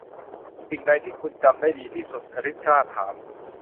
'สิ่งใดที่คุณจำได้ดีที่สุด ?' อลิซกล้าถาม